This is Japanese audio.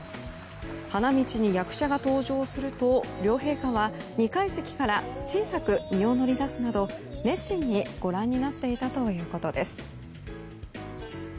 花道に役者が登場すると両陛下は２階席から小さく身を乗り出すなど熱心にご覧になっていたということです。